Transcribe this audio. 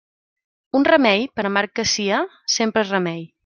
Un remei per amarg que sia, sempre és remei.